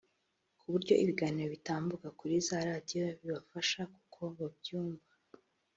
ku buryo ibiganiro bitambuka kuri za radiyo bibafasha kuko babyumva